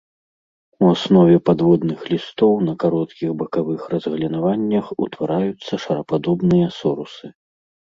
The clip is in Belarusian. У аснове падводных лістоў на кароткіх бакавых разгалінаваннях утвараюцца шарападобныя сорусы.